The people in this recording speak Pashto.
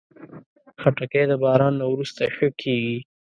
خټکی د باران نه وروسته ښه کېږي.